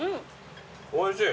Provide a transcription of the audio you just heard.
おいしい。